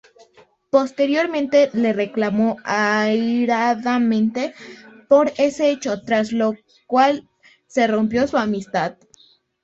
Posteriormente le reclamó airadamente por ese hecho, tras lo cual se rompió su amistad.